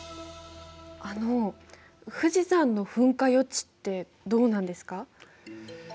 あの富士山の噴火予知ってどうなんですか？